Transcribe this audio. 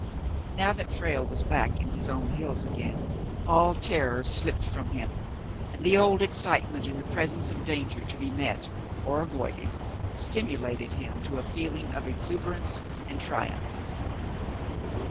Now that Frale was back in his own hills again, all terror slipped from him, and the old excitement in the presence of danger to be met, or avoided, stimulated him to a feeling of exuberance and triumph.